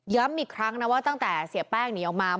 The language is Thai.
ย้ำอีกครั้งนะว่าตั้งแต่เสียแป้งนิยามา